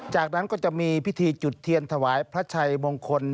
จากนั้นก็จะมีพิธีจุดเทียนถวายพระชัยมงคล